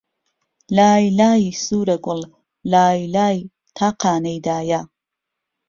لای لای سووره گوڵ، لای لای تاقانهی دایه